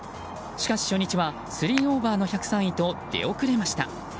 しかし初日は、３オーバーの１０３位と出遅れました。